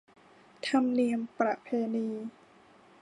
ธรรมเนียมประเพณี